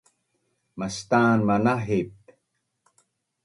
mastan manahip